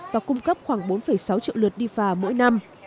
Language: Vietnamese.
và cung cấp khoảng bốn sáu triệu lượt đi phà mỗi năm